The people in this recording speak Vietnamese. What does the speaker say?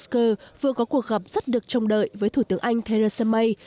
chủ tịch hội đồng châu âu donald tusk vừa có cuộc gặp rất được chồng đợi với thủ tướng anh theresa may